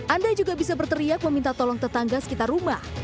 anda juga bisa berteriak meminta tolong tetangga sekitar rumah